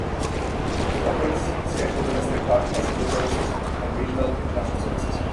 It operates scheduled domestic passenger services and regional international services.